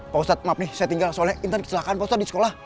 pak ustadz maaf nih saya tinggal soalnya intan kecelakaan pak ustadz di sekolah